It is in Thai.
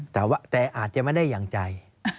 แต่อาจจะไม่ได้อย่างใจ